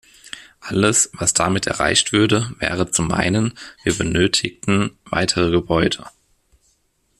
Alles, was damit erreicht würde, wäre zu meinen, wir benötigten weitere Gebäude.